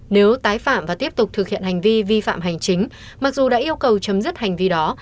nếu tái phạm và tiếp tục thực hiện hành vi vi phạm hành chính mặc dù đã yêu cầu chấm dứt hành vi đó